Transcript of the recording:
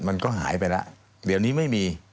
มันก็หายไปแล้วเดี๋ยวนี้ไม่มี